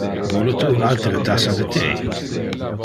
Vole tu un altere tassa de the?